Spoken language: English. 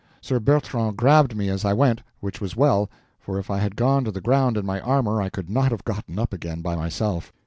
Sir Bertrand grabbed me as I went, which was well, for if I had gone to the ground in my armor I could not have gotten up again by myself.